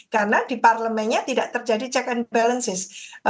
karena di parlemennya tidak terjadi check and balances